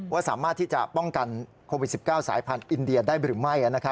ว่าสามารถที่จะป้องกันโควิด๑๙สายพันธุ์อินเดียได้หรือไม่